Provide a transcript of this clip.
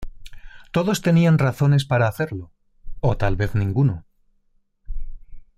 Todos tenían razones para hacerlo o tal vez ninguno.